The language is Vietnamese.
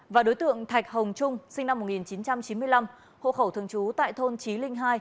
và đối tượng thạch hồng trung sinh năm một nghìn chín trăm chín mươi năm hộ khẩu thường trú tại thôn trí linh hai